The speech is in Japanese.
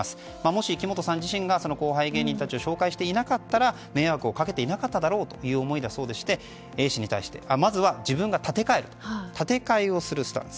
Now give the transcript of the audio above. もし木本さん自身が後輩芸人たちを紹介していなかったら迷惑をかけていなかっただろうという思いでＡ氏に対してまずは自分が立て替えをすると。